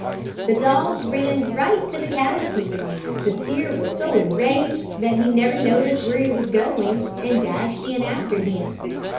The dog ran right to the cattle pen. The steer was so enraged that he never noticed where he was going, and dashed in after him.